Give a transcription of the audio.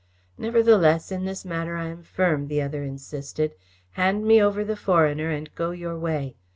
"Nevertheless in this matter I am firm," the other insisted. "Hand me over the foreigner and go your way.